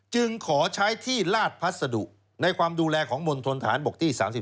จึงขอใช้ที่ลาดพัสดุในความดูแลของมณฑนฐานบกที่๓๔